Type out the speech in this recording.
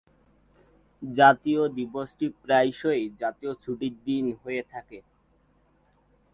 জাতীয় দিবসটি প্রায়শই জাতীয় ছুটির দিন হয়ে থাকে।